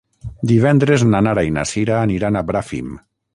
Divendres na Nara i na Sira aniran a Bràfim.